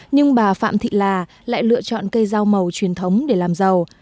nhưng bà phạm thị là lại lựa chọn cây dao màu truyền thống để làm giàu